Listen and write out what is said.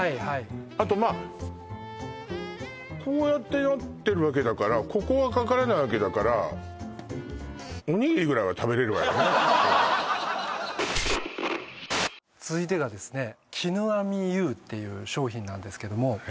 あとまあこうやってなってるわけだからここはかからないわけだから続いてがですねっていう商品なんですけどもえ？